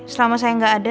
selama saya nggak ada